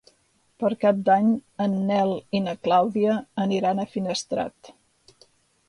Per Cap d'Any en Nel i na Clàudia aniran a Finestrat.